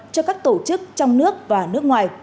cho các tổ chức trong nước và nước ngoài